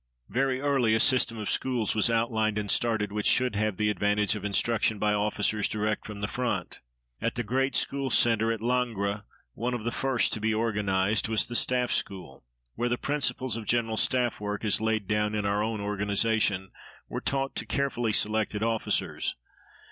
Very early a system of schools was outlined and started which should have the advantage of instruction by officers direct from the front. At the great school centre at Langres, one of the first to be organized, was the staff school, where the principles of general staff work, as laid down in our own organization, were taught to carefully selected officers.